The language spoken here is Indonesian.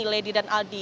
lady dan adi